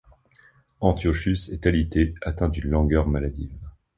Antiochus est alité, atteint d'une langueur maladive.